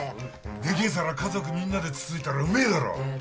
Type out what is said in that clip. でけえ皿家族みんなでつついたらうめえだろ。